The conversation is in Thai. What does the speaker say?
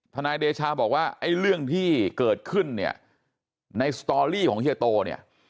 นายเดชาบอกว่าไอ้เรื่องที่เกิดขึ้นเนี่ยในสตอรี่ของเฮียโตเนี่ย